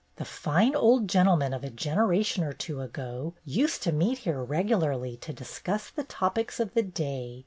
The fine old gentlemen of a generation or two ago used to meet here regularly to discuss the topics of the day.